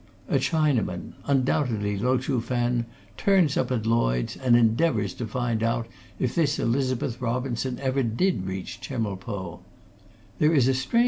A Chinaman, undoubtedly Lo Chuh Fen, turns up at Lloyds and endeavours to find out if this Elizabeth Robinson ever did reach Chemulpo.